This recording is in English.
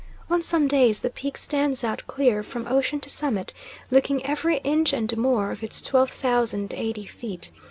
On some days the Peak stands out clear from ocean to summit, looking every inch and more of its 12,080 ft.